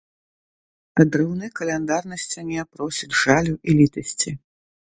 Адрыўны каляндар на сцяне просіць жалю і літасці.